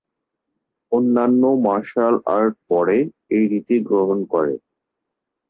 অন্যান্য martial art পরে এই রীতিটি গ্রহণ করে।